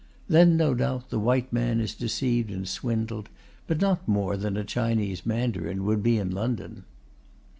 Then, no doubt, the white man is deceived and swindled; but not more than a Chinese mandarin would be in London.